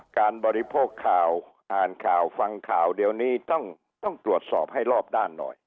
บริโภคข่าวอ่านข่าวฟังข่าวเดี๋ยวนี้ต้องตรวจสอบให้รอบด้านหน่อย